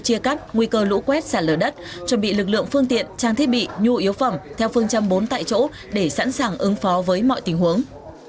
chia cắt nguy cơ lũ quét xả lở đất chuẩn bị lực lượng phương tiện trang thiết bị nhu yếu phẩm theo phương châm bốn tại chỗ để sẵn sàng ứng phó với mọi tình huống